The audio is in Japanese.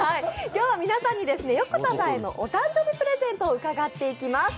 今日は皆さんに横田さんへのお誕生日プレゼントを伺っていきます。